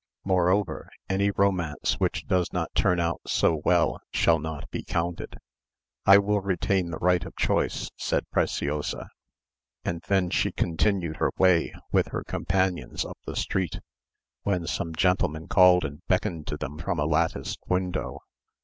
Moreover, any romance which does not turn out so well shall not be counted." "I will retain the right of choice," said Preciosa; and then she continued her way with her companions up the street, when some gentlemen called and beckoned to them from a latticed window.